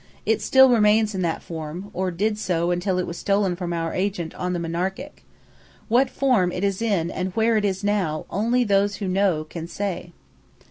It still remains in that form, or did so remain until it was stolen from our agent on the Monarchic. What form it is in and where it is now, only those who know can say."